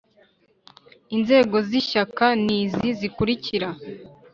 Inzego z Ishyaka ni izi zikurikira